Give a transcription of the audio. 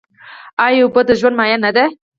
آیا اوبه د ژوند مایه نه ده؟